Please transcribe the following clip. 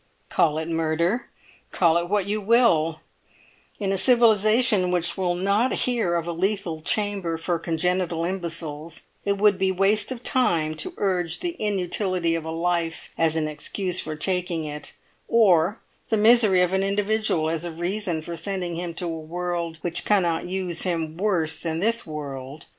Call it murder, call it what you will; in a civilisation which will not hear of a lethal chamber for congenital imbeciles it would be waste of time to urge the inutility of a life as an excuse for taking it, or the misery of an individual as a reason for sending him to a world which cannot use him worse than this world.